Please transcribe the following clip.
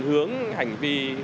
hướng hành vi